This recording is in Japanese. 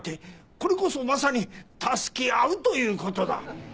これこそまさに助け合うという事だ。